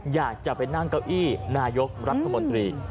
อยากจะไปนั่งเก้าอี้นายกรัฐมนตรี